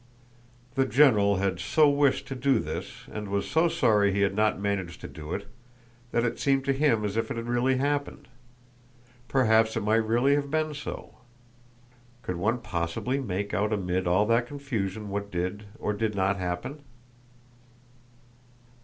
The general had so wished to do this and was so sorry he had not managed to do it that it seemed to him as if it had really happened. Perhaps it might really have been so? Could one possibly make out amid all that confusion what did or did not happen?